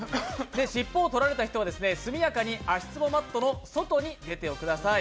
しっぽを取られた人は速やかに足つぼマットの外に出てください。